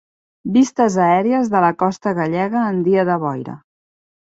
Vistes aèries de la costa gallega en dia de boira.